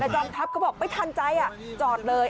จอมทัพก็บอกไม่ทันใจจอดเลย